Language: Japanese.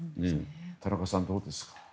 田中さん、どうですか？